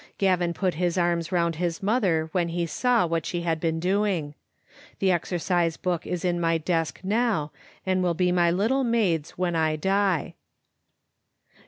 Gavin put his arms round his mother when he saw what she had been doing. The exercise book is in my desk now, and will be my little maid's when I die.